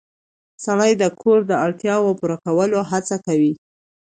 سړی د کور د اړتیاوو پوره کولو هڅه کوي